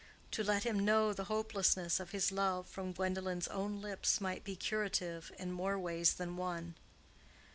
To let him know the hopelessness of his love from Gwendolen's own lips might be curative in more ways than one.